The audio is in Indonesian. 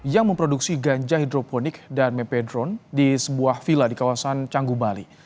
yang memproduksi ganja hidroponik dan mepedron di sebuah villa di kawasan canggu bali